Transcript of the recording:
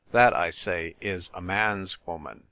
That, I say, is a man's woman.